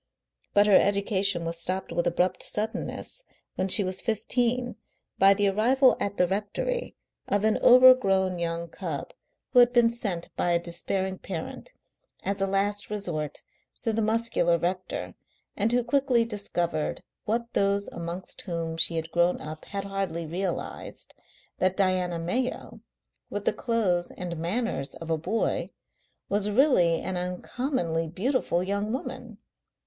But her education was stopped with abrupt suddenness when she was fifteen by the arrival at the rectory of an overgrown young cub who had been sent by a despairing parent, as a last resource, to the muscular rector, and who quickly discovered what those amongst whom she had grown up had hardly realised, that Diana Mayo, with the clothes and manners of a boy, was really an uncommonly beautiful young woman.